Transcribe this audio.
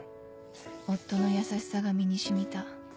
夫の優しさが身に染みた